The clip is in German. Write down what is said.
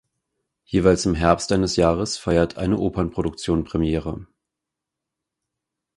Jeweils im Herbst eines Jahres feiert eine Opernproduktion Premiere.